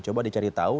coba dicari tahu